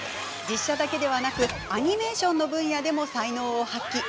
実写だけでなくアニメーションの分野でも才能を発揮。